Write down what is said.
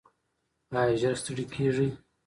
ایا ژر ستړي کیږئ؟